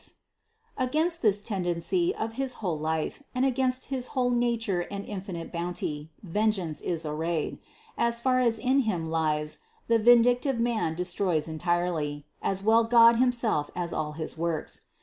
THE CONCEPTION 545 Against this tendency of his whole life and against his whole nature and infinite bounty, vengeance is arrayed; as far as in him lies, the vindictive man destroys entirely, as well God himself as all his works.